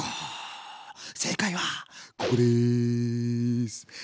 正解はここです。